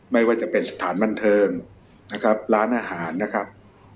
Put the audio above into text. ไม่ว่าจะเป็นสถานบันเทิงนะครับร้านอาหารนะครับ